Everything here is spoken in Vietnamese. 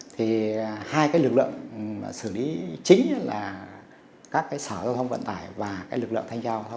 thì hai cái lực lượng xử lý chính là lực lượng thanh tra hoa thông